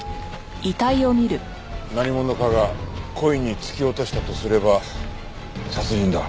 何者かが故意に突き落としたとすれば殺人だ。